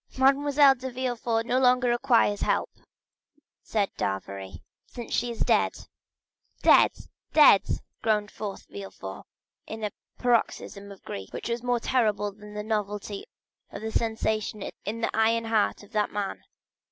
"Mademoiselle de Villefort no longer requires help," said d'Avrigny, "since she is dead." "Dead,—dead!" groaned forth Villefort, in a paroxysm of grief, which was the more terrible from the novelty of the sensation in the iron heart of that man.